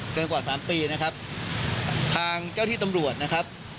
กว่าสามปีนะครับทางเจ้าที่ตำรวจนะครับ